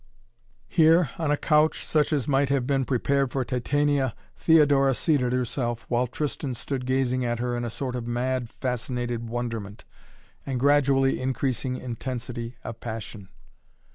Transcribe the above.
Here, on a couch, such as might have been prepared for Titania, Theodora seated herself, while Tristan stood gazing at her in a sort of mad, fascinated wonderment, and gradually increasing intensity of passion.